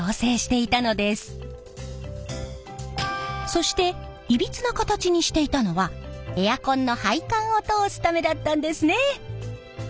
そしていびつな形にしていたのはエアコンの配管を通すためだったんですね！